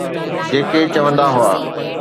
جيڪي چوندا هئا